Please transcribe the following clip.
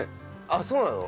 あっそうなの？